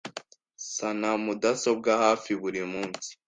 Nsana mudasobwa hafi buri munsi .